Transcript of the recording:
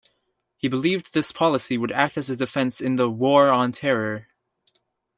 He believed this policy would act as a defence in the "war on terror".